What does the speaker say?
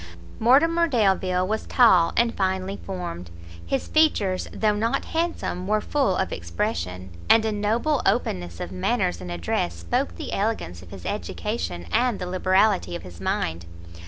Mortimer Delvile was tall and finely formed, his features, though not handsome, were full of expression, and a noble openness of manners and address spoke the elegance of his education, and the liberality of his mind.